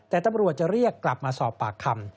แต่ตำรวจจะเรียกกลับมาสอบปากคำ